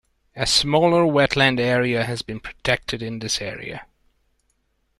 A smaller wetland area has been protected in this area.